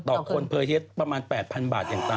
ต่อคนประเทศประมาณ๘๐๐๐บาทอย่างต่ำ